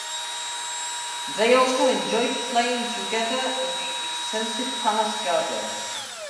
They also enjoyed playing together in the extensive palace gardens.